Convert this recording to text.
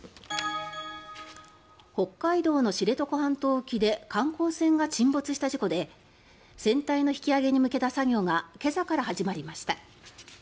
北海道の知床半島沖で観光船が沈没した事故で船体の引き揚げに向けた作業が今朝から始まりました。